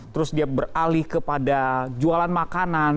terus dia beralih kepada jualan makanan